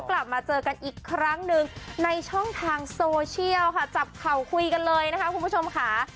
กลับมาเจอกันอีกครั้งหนึ่งในช่องทางโซเชียลค่ะจับเข่าคุยกันเลยนะคะคุณผู้ชมค่ะ